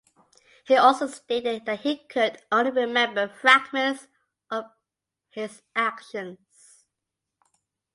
He also stated that he could only remember fragments of his actions.